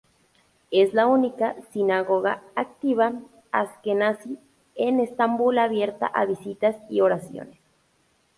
Es la única sinagoga activa Asquenazí en Estambul abierta a visitas y oraciones.